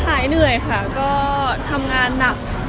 หายเหนื่อยค่ะก็ทำงานหนัก